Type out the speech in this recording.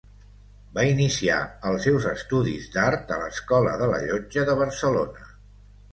Va iniciar els seus estudis d'art a l'Escola de la Llotja de Barcelona.